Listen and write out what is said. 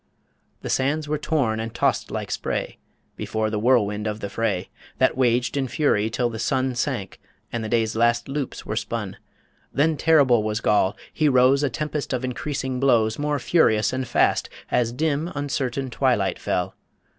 The sands were torn and tossed like spray Before the whirlwind of the fray, That waged in fury till the sun Sank, and the day's last loops were spun Then terrible was Goll ... He rose A tempest of increasing blows, More furious and fast, as dim, Uncertain twilight fell